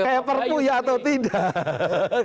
kayak perpu ya atau tidak